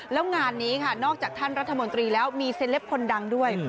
แล้วงานนี้ค่ะนอกจากท่านรัฐมนตรีแล้วมีเซลปคนดังด้วย